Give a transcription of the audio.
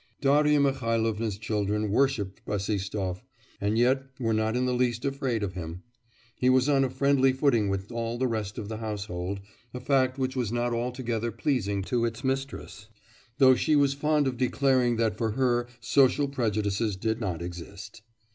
Darya Mihailovna's children worshipped Bassistoff, and yet were not in the least afraid of him; he was on a friendly footing with all the rest of the household, a fact which was not altogether pleasing to its mistress, though she was fond of declaring that for her social prejudices did not exist.